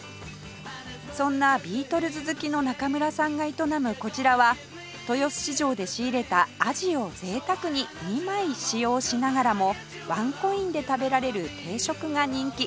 そんなビートルズ好きの中村さんが営むこちらは豊洲市場で仕入れたアジを贅沢に２枚使用しながらもワンコインで食べられる定食が人気